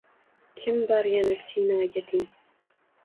Kim bor yana Sinoga teng?